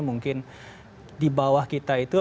mungkin di bawah kita itu